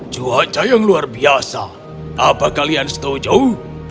cuaca yang luar biasa apa kalian setuju